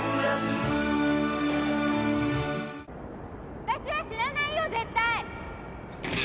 私は死なないよ絶対！